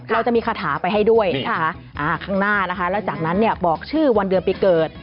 เราจะมีคาถาไปให้ด้วยนะคะข้างหน้านะคะแล้วจากนั้นเนี่ยบอกชื่อวันเดือนปีเกิด